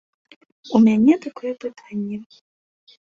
У мяне такое пытанне.